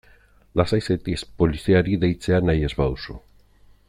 Lasai zaitez poliziari deitzea nahi ez baduzu.